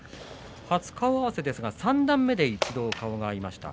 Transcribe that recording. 初顔合わせですが三段目で一度顔が合いました。